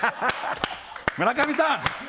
村上さん！